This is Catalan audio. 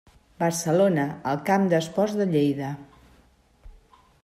Barcelona, al Camp d'Esports de Lleida.